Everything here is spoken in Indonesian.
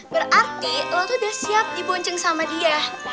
berarti lo tuh udah siap dibonceng sama dia